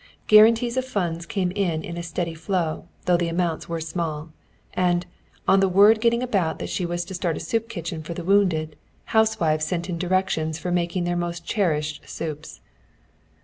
Guaranties of funds came in in a steady flow, though the amounts were small; and, on the word going about that she was to start a soup kitchen for the wounded, housewives sent in directions for making their most cherished soups.